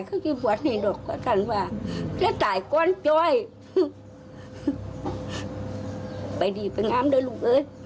เฮ่ยคักกว่าลูกอีก